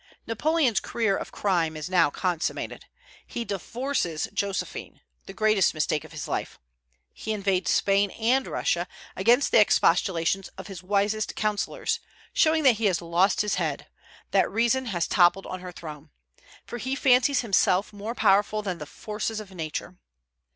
Napoleon's career of crime is now consummated. He divorces Josephine, the greatest mistake of his life. He invades Spain and Russia, against the expostulations of his wisest counsellors, showing that he has lost his head, that reason has toppled on her throne, for he fancies himself more powerful than the forces of Nature.